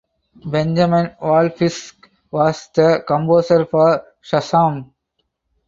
Benjamin Wallfisch was the composer for "Shazam".